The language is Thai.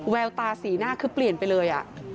แววตาสีหน้าคือเปลี่ยนไปเลย